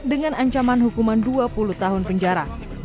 dengan ancaman hukuman dua puluh tahun penjara